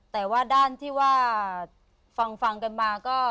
แต่ว่าด้านที่ว่าฟังกันมาก็